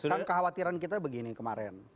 kan kekhawatiran kita begini kemarin